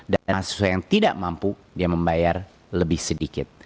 dan mahasiswa yang tidak mampu dia membayar lebih sedikit